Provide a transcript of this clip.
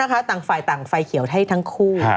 ต่างฝ่ายต่างไฟเขียวให้ทั้งคู่